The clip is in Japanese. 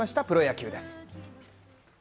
プロ野球です。